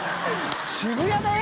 渋谷だよ？